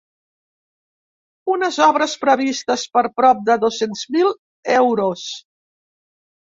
Unes obres previstes per prop de dos-cents mil euros.